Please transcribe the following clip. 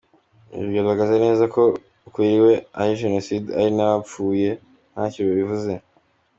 Ibi bigaragaza neza ko kuri we ari jenoside, ari n’abapfuye ntacyo bivuze.